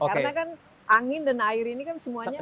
karena kan angin dan air ini kan semuanya